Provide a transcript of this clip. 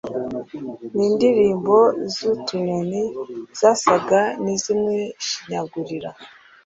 n’indirimbo z’utunyoni zasaga n’izimushinyagurira